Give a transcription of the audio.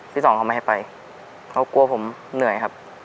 ที่สองเขาไม่ให้ไปเขากลัวผมเหนื่อยครับ